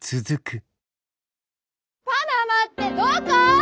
パナマってどこ！？